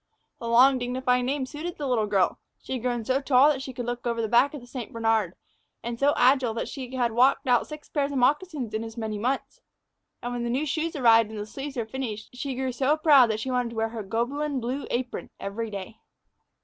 The long, dignified name suited the little girl. She had grown so tall that she could look over the St. Bernard's back, and so agile that she had walked out six pairs of moccasins in as many months. And when the new shoes arrived and the sleeves were finished, she grew so proud that she wanted to wear her gobelin blue apron every day.